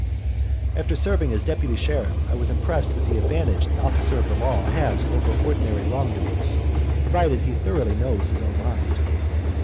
When serving as deputy sheriff I was impressed with the advantage the officer of the law has over ordinary wrong doers, provided he thoroughly knows his own mind.